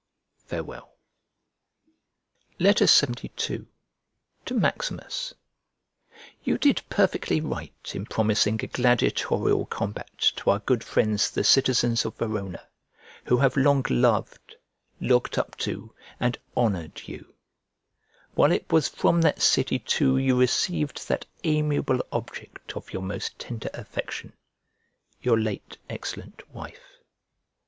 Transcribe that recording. Farewell. LXXII To MAXIMUS You did perfectly right in promising a gladiatorial combat to our good friends the citizens of Verona, who have long loved, looked up to, and honoured, you; while it was from that city too you received that amiable object of your most tender affection, your late excellent wife.